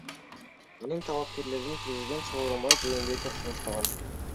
Анын талапкерлигин президент Сооронбай Жээнбеков сунуштаган.